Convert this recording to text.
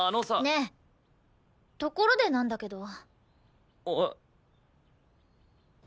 ねえところでなんだけど。